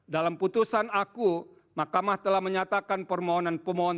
dalam putusan aku mahkamah telah menyatakan permohonan pemohon